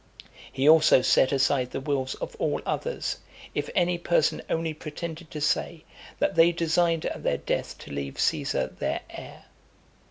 He also set aside the wills of all others, if any person only pretended to say, that they designed at their death to leave Caesar their heir.